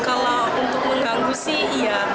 kalau untuk mengganggu sih iya